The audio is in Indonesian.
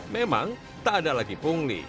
memang tak ada lagi pungli